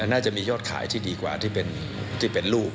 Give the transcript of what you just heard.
น่าจะมียอดขายที่ดีกว่าที่เป็นลูก